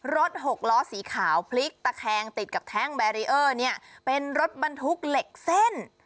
หกล้อสีขาวพลิกตะแคงติดกับแท่งแบรีเออร์เนี่ยเป็นรถบรรทุกเหล็กเส้น